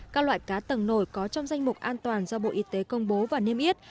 các loại cá tầng nổi có trong danh mục an toàn do bộ y tế công bố và niêm yết